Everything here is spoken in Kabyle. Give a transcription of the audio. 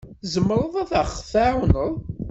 Tzemreḍ ad aɣ-tɛawneḍ?